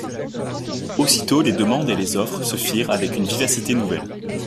Aussitôt les demandes et les offres se firent avec une vivacité nouvelle.